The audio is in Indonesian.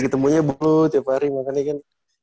ketemunya bulu tiap hari makanya kan